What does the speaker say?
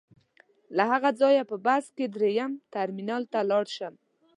له هغه ځایه په بس کې درېیم ټرمینل ته لاړ شم.